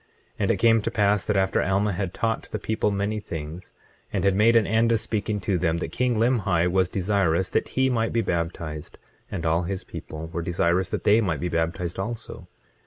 25:17 And it came to pass that after Alma had taught the people many things, and had made an end of speaking to them, that king Limhi was desirous that he might be baptized; and all his people were desirous that they might be baptized also.